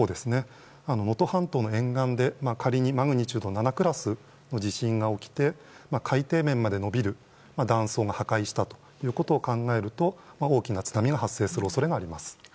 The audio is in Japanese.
能登半島の沿岸で仮にマグニチュード７クラスの地震が起きて海底面まで延びる断層が破壊したということを考えると、大きな津波が発生する恐れがあります。